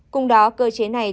cùng đó cơ chế này